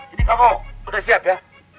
ini kamu udah siap ya